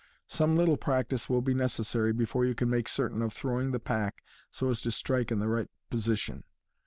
Some little practice will be necessary before you can make certain of throwing the pack so as to strike in the right position.